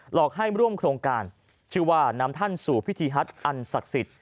หลอกให้ร่วมโครงการชื่อว่านำท่านสู่พิธีฮัทอันศักดิ์สิทธิ์